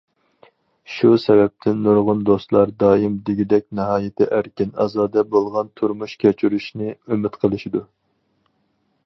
شۇ سەۋەبتىن نۇرغۇن دوستلار دائىم دېگۈدەك ناھايىتى ئەركىن- ئازادە بولغان تۇرمۇش كەچۈرۈشنى ئۈمىد قىلىشىدۇ.